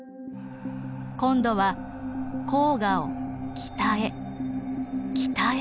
今度は黄河を北へ北へ。